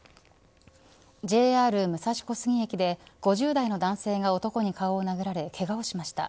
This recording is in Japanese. ＪＲ武蔵小杉駅で５０代の男性が男に顔を殴られけがをしました。